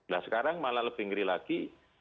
nah sekarang malah lebih ngeri lagi